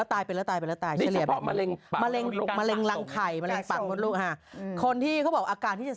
ก็ยังน้อยแต่ไม่ยวม